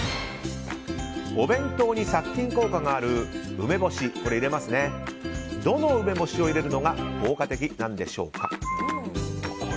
お弁当に殺菌効果がある梅干し入れますがどの梅干しを入れるのが効果的なんでしょうか。